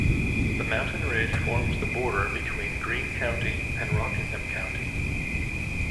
The mountain ridge forms the border between Greene County and Rockingham County.